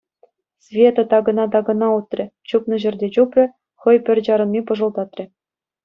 Света такӑна-такӑна утрӗ, чупнӑ ҫӗрте чупрӗ, хӑй пӗр чарӑнми пӑшӑлтатрӗ.